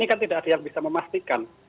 ini kan tidak ada yang bisa memastikan